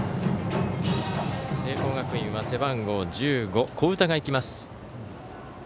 聖光学院は背番号１５、古宇田が行きます。